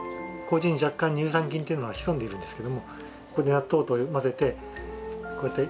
麹に若干乳酸菌っていうのが潜んでいるんですけども納豆と混ぜてこうやって。